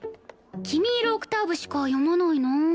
『君色オクターブ』しか読まないな。